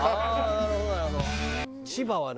なるほどなるほど。